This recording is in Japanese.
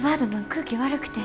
空気悪くて。